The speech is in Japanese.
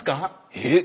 えっ！